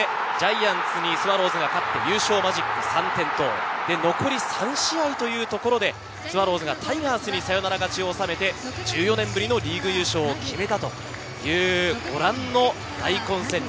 優勝マジック３と、残り３試合というところでスワローズがタイガースにサヨナラ勝ちを収めて１４年ぶりのリーグ優勝を決めたというご覧の大混戦です。